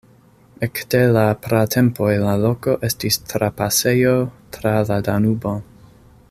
Ekde la pratempoj la loko estis trapasejo tra la Danubo.